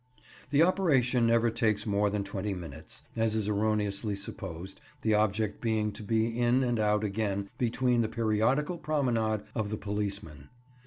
The operation never takes more than twenty minutes, as is erroneously supposed, the object being to be in and out again between the periodical promenade of the policeman.